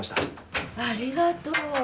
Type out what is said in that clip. ありがとう。